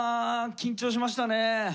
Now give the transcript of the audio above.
緊張しました？